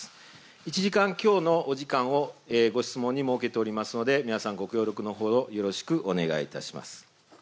１時間強のお時間をご質問に設けておりますので、皆さん、ご協力のほど、よろしくお願いします。